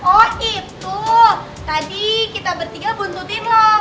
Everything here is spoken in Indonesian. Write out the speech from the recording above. oh itu tadi kita bertiga buntutin loh